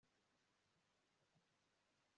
karekezi ntashobora gukora ibi